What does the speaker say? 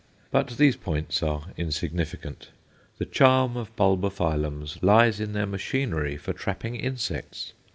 But these points are insignificant. The charm of Bulbophyllums lies in their machinery for trapping insects.